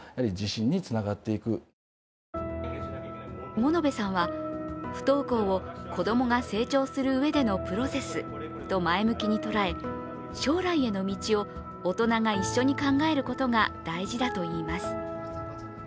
物部さんは、不登校を子供が成長するうえでのプロセスと前向きに捉え将来への道を大人が一緒に考えることが大事だといいます。